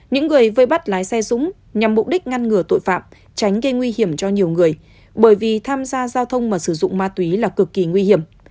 những người vây bắt lái xe dũng nhằm mục đích ngăn ngừa tội phạm tránh gây nguy hiểm cho nhiều người bởi vì tham gia giao thông mà sử dụng ma túy là cực kỳ nguy hiểm